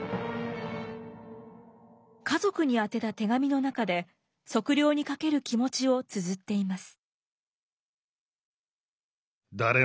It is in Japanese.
家族に宛てた手紙の中で測量にかける気持ちをつづっています。